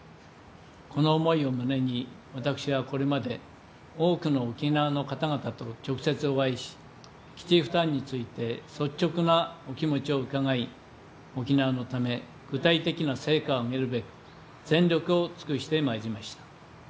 この思いを胸に私は、これまで多くの沖縄の方々と直接お会いし基地負担について率直なお気持ちを伺い沖縄のため具体的な成果をあげるべく全力を尽くしてまいりました。